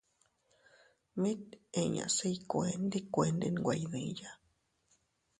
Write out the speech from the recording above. Mit inña se iykuee ndi kuende nwe iydiya.